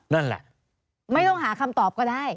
นั่นแหละไม่ต้องหาคำตอบก็ได้